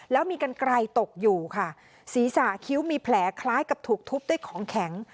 แล้วมีกันไกลตกอยู่ค่ะศีรษะคิ้วมีแผลคล้ายกับถูกทุบด้วยของแข็ง